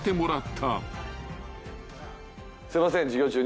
すみません授業中に。